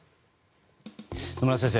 野村先生